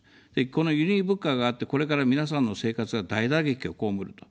この輸入物価が上がって、これから皆さんの生活が大打撃を被ると。